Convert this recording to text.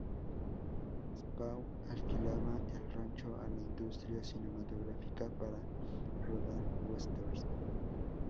Spahn alquilaba el rancho a la industria cinematográfica para rodar westerns.